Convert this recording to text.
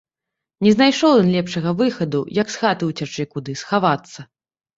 Не знайшоў ён лепшага выхаду, як з хаты ўцячы куды, схавацца.